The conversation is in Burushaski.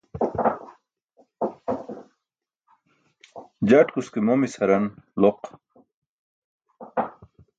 Jatkus ke momis haran loq.